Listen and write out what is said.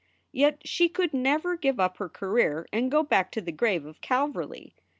Yet she could never give up her career and go back to the grave of Calverly.